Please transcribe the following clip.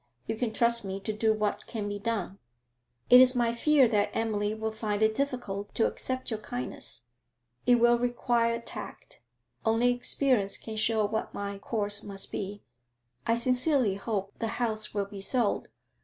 You can trust me to do what can be done.' 'It is my fear that Emily will find it difficult to accept your kindness.' 'It will require tact. Only experience can show what my course must be.' 'I sincerely hope the house will be sold.